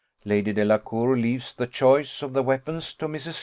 Lady D leaves the choice of the weapons to Mrs. L